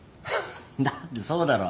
だってそうだろ。